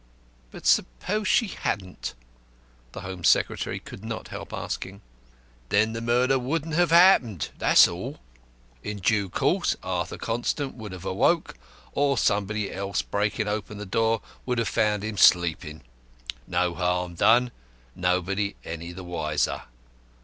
"But suppose she hadn't?" the Home Secretary could not help asking. "Then the murder wouldn't have happened, that's all. In due course Arthur Constant would have awoke, or somebody else breaking open the door would have found him sleeping; no harm done, nobody any the wiser.